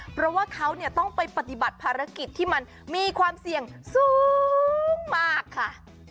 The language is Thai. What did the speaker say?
เพราะว่าเขาต้องไปปฏิบัติภารกิจที่มันมีความเสี่ยงสูงมากค่ะ